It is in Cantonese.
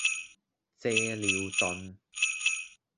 借尿遁